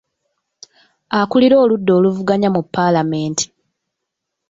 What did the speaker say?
Akulira oludda oluvuganya mu paalamenti.